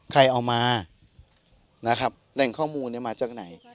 ใครเอามานะครับแหล่งข้อมูลเนี่ยมาจากไหน